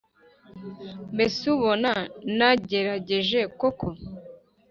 mbese ubona nagerageje koko